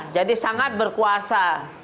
jadi sangat berkuasa